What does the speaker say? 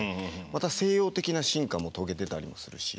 また西洋的な進化も遂げてたりもするし。